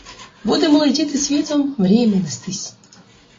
Будемо летіти світом, мріями нестись.